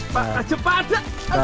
pak aja pada